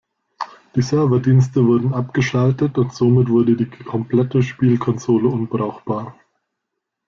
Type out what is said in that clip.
Die Serverdienste wurden abgeschaltet und somit wurde die komplette Spielkonsole unbrauchbar.